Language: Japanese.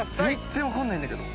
全然分かんないんだけど。